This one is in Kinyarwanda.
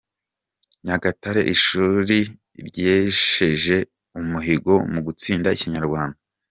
Nyagatare Ishuri ryesheje umuhigo mu gutsinda Ikinyarwanda